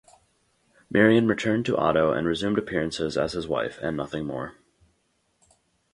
Marion returned to Otto and resumed appearances as his wife, and nothing more.